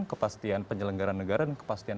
kepastian penyelenggaran negara dan kepastian